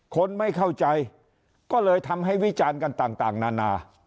คนไม่เข้าใจก็เลยทำให้วิจารณ์กันต่างนานา